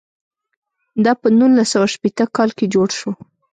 دا په نولس سوه شپېته کال کې جوړ شو.